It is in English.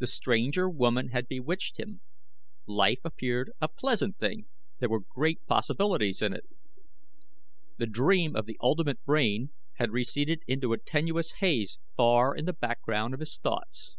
The stranger woman had bewitched him. Life appeared a pleasant thing there were great possibilities in it. The dream of the ultimate brain had receded into a tenuous haze far in the background of his thoughts.